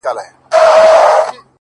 چي زه به څرنگه و غېږ ته د جانان ورځمه ـ